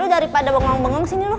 lu daripada bengong bengong sini lu